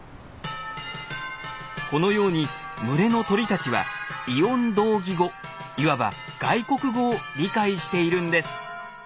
このように群れの鳥たちは異音同義語いわば外国語を理解しているんです。